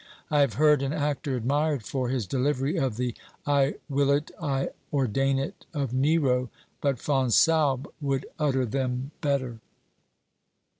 I have heard an actor admired for his delivery of the "I will it," "I ordain it," of Nero, but Fonsalbe would utter them better.